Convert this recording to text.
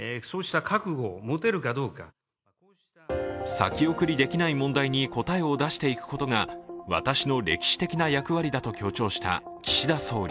先送りできない問題に答えを出していくことが私の歴史的な役割だと強調した岸田総理。